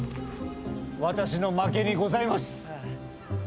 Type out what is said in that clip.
私の負けにございます。